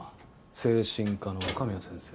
精神科の若宮先生。